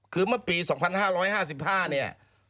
คือเมื่อปี๒๕๕๕เนี่ย